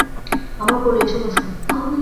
আমার কোলে এসে বসো।